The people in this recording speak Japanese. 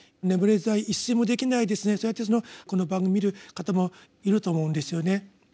眠れず一睡もできないそうやってこの番組見る方もいると思うんですよね。